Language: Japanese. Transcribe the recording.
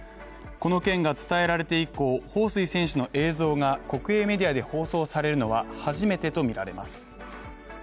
この件が伝えられて以降、彭帥選手の映像が国営メディアで放送されるのは初めてとみられます。